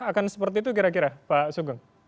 akan seperti itu kira kira pak sugeng